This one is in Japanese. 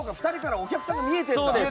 ２人からお客さんが見えてるのか。